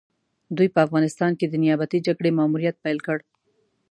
دوی په افغانستان کې د نيابتي جګړې ماموريت پيل کړ.